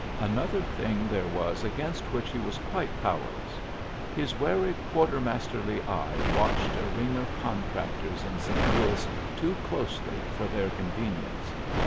Another thing there was against which he was quite powerless. His wary quartermasterly eye watched a ring of contractors in St. Louis too closely for their convenience.